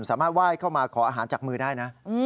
สามารถไหว้เข้ามาขออาหารจากมือได้นะ